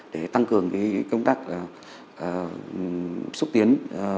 để tăng cường công tác xúc tiến